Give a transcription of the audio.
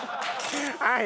はい。